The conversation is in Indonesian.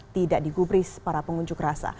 tidak digubris para pengunjuk rasa